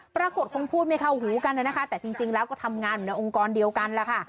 ปรากฏคงพูดไม่เข้าหูกันนะคะแต่จริงแล้วก็ทำงานอยู่ในองค์กรเดียวกันแล้วค่ะ